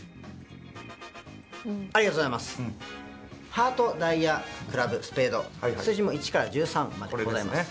ハートダイヤクラブスペード数字も１から１３までございます